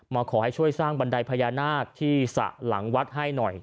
ขอให้ช่วยสร้างบันไดพญานาคที่สระหลังวัดให้หน่อย